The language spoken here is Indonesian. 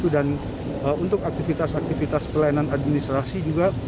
dan untuk aktivitas aktivitas pelayanan administrasi juga